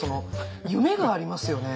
夢がありますよね。